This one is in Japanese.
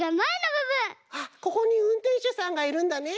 あっここにうんてんしゅさんがいるんだね。